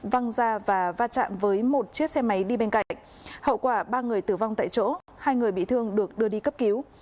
văng ra và va chạm với một chiếc xe máy đi bên cạnh hậu quả ba người tử vong tại chỗ hai người bị thương được đưa đi cấp cứu